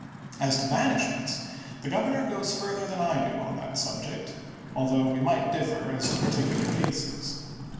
As to banishments, the Governor goes further than I do on that subject, although we might differ as to particular cases.